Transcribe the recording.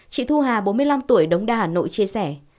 chị thu hà bốn mươi năm tuổi đông đà hà nội chia sẻ